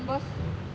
dan betul aja